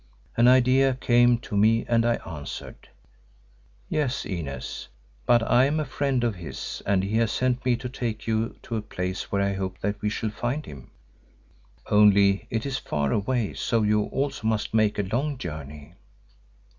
An idea came to me and I answered, "Yes, Inez, but I am a friend of his and he has sent me to take you to a place where I hope that we shall find him. Only it is far away, so you also must make a long journey."